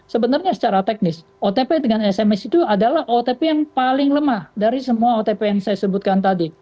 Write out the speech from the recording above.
sebenarnya secara teknis otp dengan sms itu adalah otp yang paling lemah dari semua otp yang saya sebutkan tadi